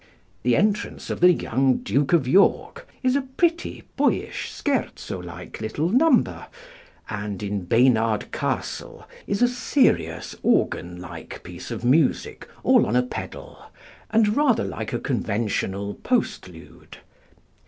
The "Entrance of the young Duke of York" is a pretty, boyish, scherzo like little number; and "In Baynard Castle" is a serious, organ like piece of music all on a pedal, and rather like a conventional postlude.